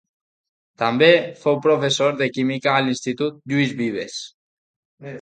També fou professor de química a l'Institut Lluís Vives.